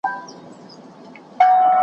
توند بادونه وای توپان وای .